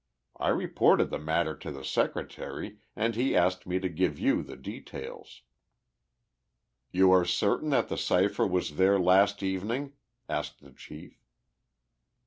I reported the matter to the Secretary and he asked me to give you the details." "You are certain that the cipher was there last evening?" asked the chief.